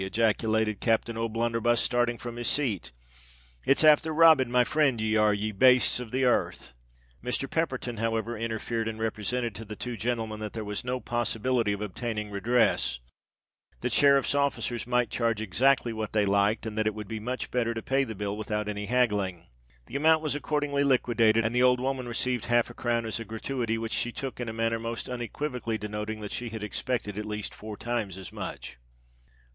ejaculated Captain O'Blunderbuss, starting from his seat. "It's afther robbing my frind, ye are—ye bastes of the earth!" Mr. Pepperton however interfered, and represented to the two gentlemen that there was no possibility of obtaining redress—that sheriff's officers might charge exactly what they liked—and that it would be much better to pay the bill without any haggling. The amount was accordingly liquidated, and the old woman received half a crown as a gratuity, which she took in a manner most unequivocally denoting that she had expected at least four times as much.